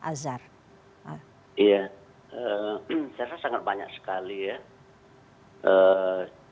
iya saya rasa sangat banyak sekali ya